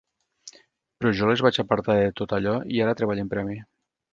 Però jo les vaig apartar de tot allò i ara treballen per a mi.